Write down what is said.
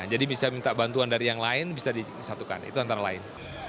jadi bisa minta bantuan dari yang lain bisa disatukan itu antara lain